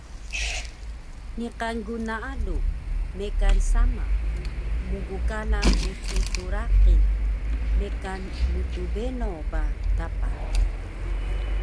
Niqan gnaalu, mekan sama, mgkala mttraqil, mekan mtbeno ba dapa